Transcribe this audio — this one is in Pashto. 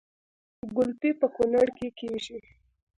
ګلپي په کونړ کې کیږي